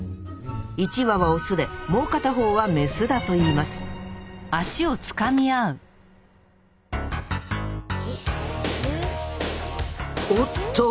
１羽はオスでもう片方はメスだといいますおっと！